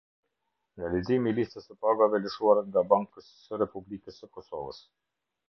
Nga leximi i Listës së pagave lëshuar nga Bankës së Republikës së Kosovës.